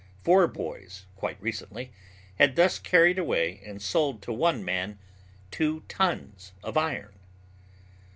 Four boys quite recently had thus carried away and sold to one man two tons of iron.